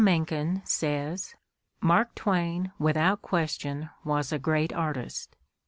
Mencken says: "Mark Twain, without question, was a great artist.